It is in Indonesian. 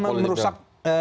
itu akan merusak